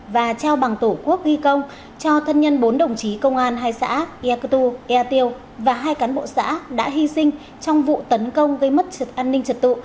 và trao bằng tổ quốc ghi công cho thân nhân bốn đồng chí công an hai xã eak tu eak tiêu và hai cán bộ xã đã hy sinh trong vụ tấn công gây mất an ninh trật tụ